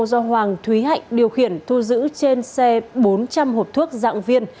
do hoàng thúy hạnh điều khiển thu giữ trên xe bốn trăm linh hộp thuốc dạng viên